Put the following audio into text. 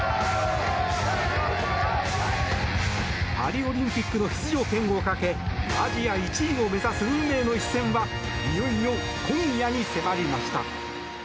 パリオリンピックの出場権をかけアジア１位を目指す運命の一戦はいよいよ今夜に迫りました！